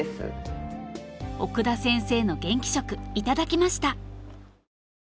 奥田先生の元気食頂きました！